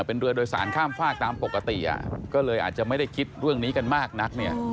เป็นเรือโดยสารข้ามฝากตามปกติก็เลยอาจจะไม่ได้คิดเรื่องนี้กันมากนักเนี่ย